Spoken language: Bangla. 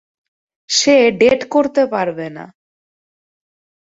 সে ডেট করতে পারবে না।